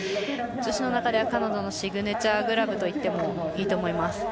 女子の中では彼女のシグネチャーグラブといってもいいと思います。